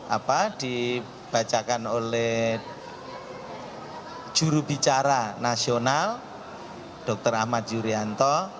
apa dibacakan oleh jurubicara nasional dr ahmad yuryanto